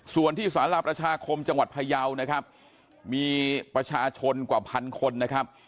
ส่วนที่สารประชาคมจังหวัดพยาวนะครับมีประชาชนกว่าพันคนนะครับ